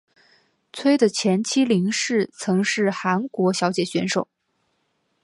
崔的前妻林氏曾是韩国小姐选手。